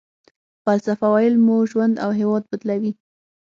فلسفه ويل مو ژوند او هېواد بدلوي.